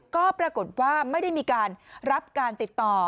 ก็ปรากฏว่าไม่ได้มีการรับการติดต่อ